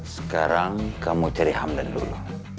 sekarang kamu jadi hamdan dulu